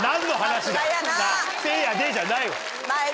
「せいやで」じゃないわ！